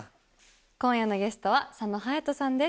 今夜のゲストは佐野勇斗さんです。